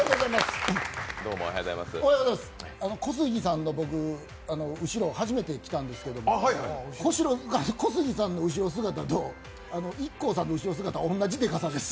小杉さんの後ろ、僕、初めて来たんですけども小杉さんの後ろ姿とＩＫＫＯさんの後ろ姿、同じでかさです。